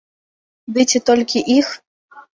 Ды ці толькі іх?